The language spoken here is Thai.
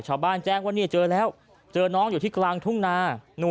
ชาวบ้านแจ้งว่าเนี่ยเจอแล้วเจอน้องอยู่ที่กลางทุ่งนา